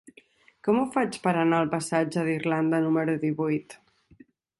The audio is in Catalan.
Com ho faig per anar al passatge d'Irlanda número divuit?